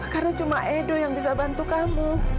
karena cuma edo yang bisa bantu kamu